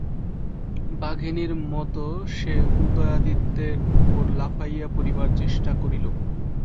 বাঘিনীর মত সে উদয়াদিত্যের উপর লাফাইয়া পড়িবার চেষ্টা করিল।